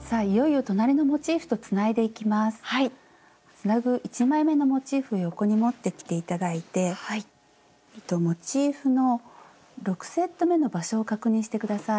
つなぐ１枚めのモチーフを横に持ってきて頂いてモチーフの６セットめの場所を確認して下さい。